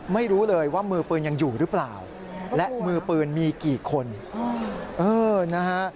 ไม่รู้เลยว่ามือปืนยังอยู่หรือเปล่าและมือปืนมีกี่คนเออนะฮะ